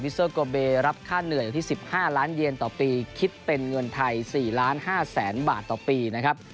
วิสเซอร์โกเบรับค่าเหนื่อยอยู่ที่สิบห้าล้านเยนต่อปีคิดเป็นเงินไทยสี่ล้านห้าแสนบาทต่อปีนะครับ